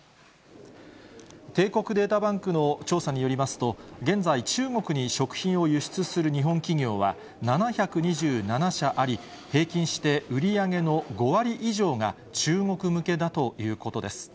帝国データバンクの調査によりますと、現在、中国に食品を輸出する日本企業は、７２７社あり、平均して売り上げの５割以上が中国向けだということです。